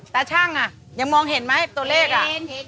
ช่างอ่ะยังมองเห็นไหมตัวเลขอ่ะ